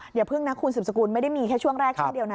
เดี๋ยวพึ่งนะคุณสุปสกุลไม่ได้มีแค่ช่วงแรกแค่เดียวนะ